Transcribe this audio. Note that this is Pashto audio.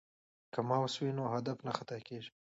که ماوس وي نو هدف نه خطا کیږي.